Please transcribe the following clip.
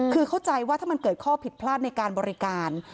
คือเข้าใจว่าถ้ามันเกิดข้อผิดพลาดในการบริการ